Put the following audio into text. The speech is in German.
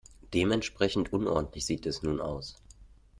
Dementsprechend unordentlich sieht es nun aus.